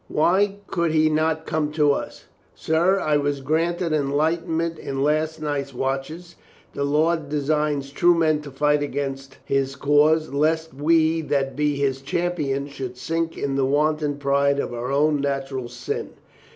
Why could he not come to us?" "Sir, I was granted enlightenment in last night's watches. The Lord designs true men to fight against His cause lest we that be His champions should sink in the wanton pride of our own natural sin."